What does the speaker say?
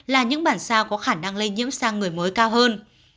là những bản sao có khả năng lây nhiễm sang người mới cao hơn